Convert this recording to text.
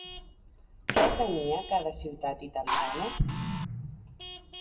Què tenia cada ciutat italiana?